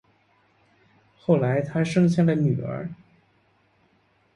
后来他生下了女儿